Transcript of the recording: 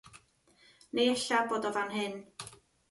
Neu ella bod o fan hyn.